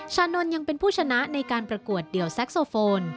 ชานนท์ยังเป็นผู้ชนะในการประกวดเดี่ยวแซ็กโซโฟน